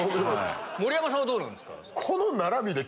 盛山さんはどうなんですか？